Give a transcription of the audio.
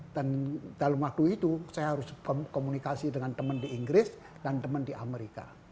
dan dalam waktu itu saya harus komunikasi dengan teman di inggris dan teman di amerika